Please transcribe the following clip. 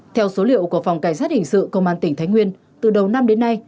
theo số liệu của phòng cảnh sát hình sự công an tỉnh thái nguyên từ đầu năm đến nay